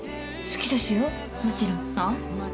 好きですよもちろん。は？